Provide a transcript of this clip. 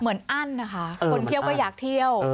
อั้นนะคะคนเที่ยวก็อยากเที่ยว